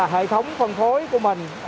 hệ thống phân phối của mình